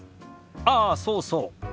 ああそうそう。